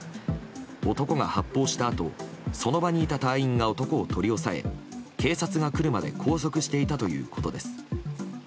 男が発砲したあとその場にいた隊員が男を取り押さえ、警察が来るまで拘束していたということです。